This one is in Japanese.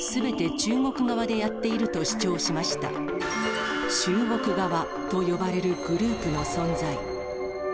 中国側と呼ばれるグループの存在。